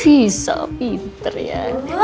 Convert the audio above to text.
bisa pinter ya